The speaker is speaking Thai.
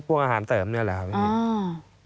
พวกอาหารเติมเนี่ยแหละครับ